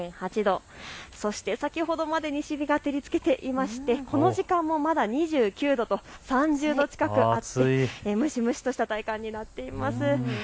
そして先ほどまで西日が照りつけていまして、この時間もまだ２９度と３０度近くあって蒸し蒸しとした体感になっています。